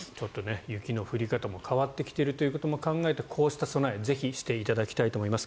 雪の降り方も変わってきていることも考えてこうした備えをぜひ、していただきたいと思います。